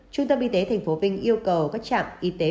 trung tâm y tế thành phố vinh yêu cầu các trạm y tế